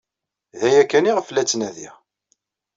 D aya kan iɣef la ttnadiɣ.